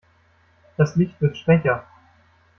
Das Licht wird schwächer.